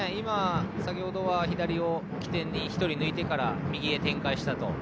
先ほどは左を起点に、１人抜いてから右へ展開したと。